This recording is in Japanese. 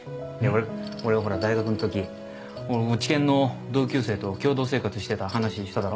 俺がほら大学ん時落研の同級生と共同生活してた話しただろ？